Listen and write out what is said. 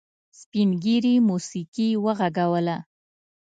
سپین ږيري موسيقي وغږوله.